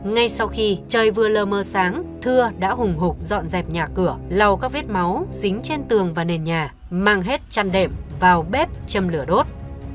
ngay sau khi chơi vừa lơ mơ sáng thưa đã hùng hục dọn dẹp nhà cửa lau các vết máu dính trên tường và nền nhà mang hết chăn đệm vào bếp châm lửa đốt